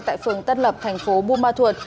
tại phường tân lập thành phố bù ma thuột